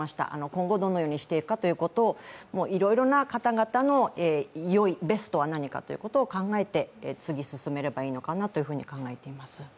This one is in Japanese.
今後どのようにしていくかいろいろな方々の良いベストは何かということを考えて次進めればいいのかなと考えています。